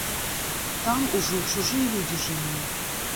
Там ужо чужыя людзі жылі.